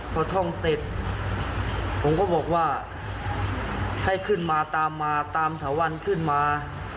พอท่องเสร็จผมก็บอกว่าให้ขึ้นมาตามมาตามถาวันขึ้นมา